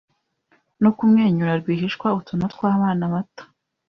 no kumwenyura rwihishwa Utuntu twabana bato